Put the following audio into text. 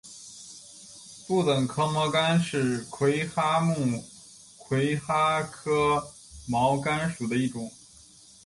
不等壳毛蚶是魁蛤目魁蛤科毛蚶属的一种。